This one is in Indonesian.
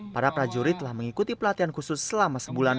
para prajurit telah mengikuti pelatihan khusus selama sebulan